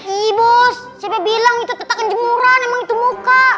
ih bos saya bilang itu tetakan jemuran emang itu muka